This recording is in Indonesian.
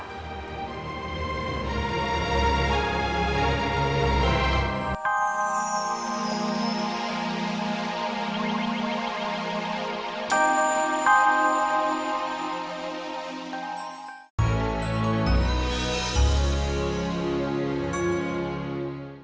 dan menjahatkan kami